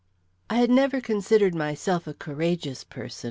I had never considered myself a courageous person.